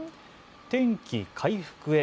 天気、回復へ。